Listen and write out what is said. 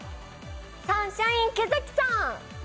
サンシャイン池崎さん。